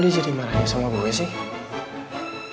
jadi marahnya sama gue sih